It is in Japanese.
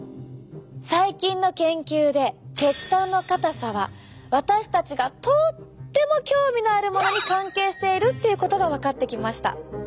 最近の研究で血管の硬さは私たちがとっても興味のあるものに関係しているっていうことが分かってきました。